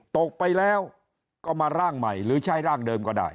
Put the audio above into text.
ตกไปแล้วก็มาร่างใหม่หรือใช้ร่างเดิมก็ได้